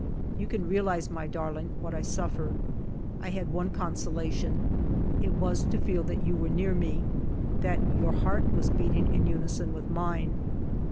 "You can realize, my darling, what I suffer. ... I had one consolation, — it was to feel that you were near me, that your heart was beating in unison with mine.